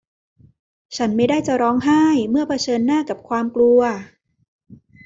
ฉันไม่ได้จะร้องไห้เมื่อเผชิญหน้ากับความกลัว